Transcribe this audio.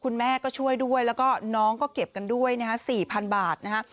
แล้วก็น้องก็เก็บกันด้วยนะฮะ๔๐๐๐บาทนะฮะ